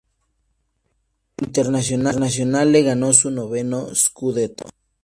Internazionale ganó su noveno "scudetto".